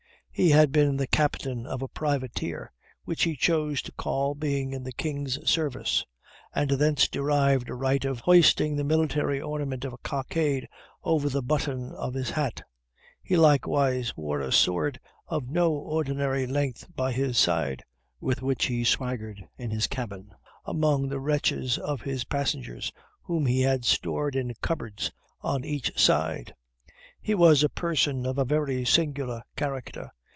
He had been the captain of a privateer, which he chose to call being in the king's service, and thence derived a right of hoisting the military ornament of a cockade over the button of his hat. He likewise wore a sword of no ordinary length by his side, with which he swaggered in his cabin, among the wretches his passengers, whom he had stowed in cupboards on each side. He was a person of a very singular character.